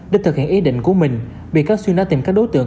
để thực hiện ý định của mình bị các xuyên đã tìm các đối tượng